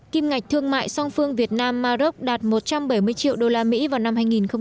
kim ngạch thương mại song phương việt nam mà rốc đạt một trăm bảy mươi triệu đô la mỹ vào năm hai nghìn một mươi bảy